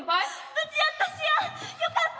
無事やったシアン！よかった！